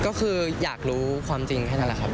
ก็คืออยากรู้ความจริงแค่นั้นแหละครับ